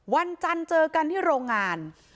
วันจันทร์เจอกันที่โรงงาน